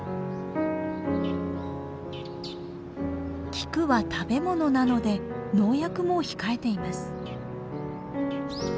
菊は食べ物なので農薬も控えています。